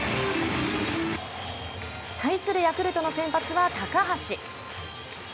対するヤクルトの先発は高橋。